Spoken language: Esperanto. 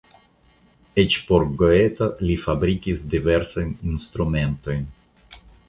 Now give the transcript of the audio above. Eĉ por Goeto li fabrikis diversajn instrumentojn.